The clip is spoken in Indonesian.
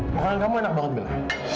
makanan kamu enak banget bilang